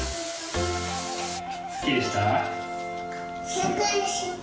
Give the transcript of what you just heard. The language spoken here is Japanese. すっきりした？